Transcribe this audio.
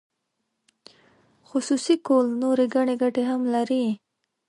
خصوصي کول نورې ګڼې ګټې هم لري.